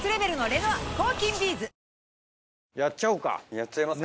やっちゃいますか。